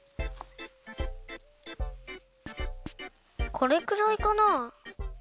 これくらいかな？